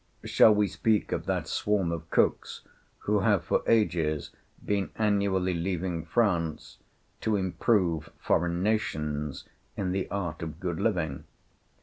Shall we speak of that swarm of cooks who have for ages been annually leaving France, to improve foreign nations in the art of good living?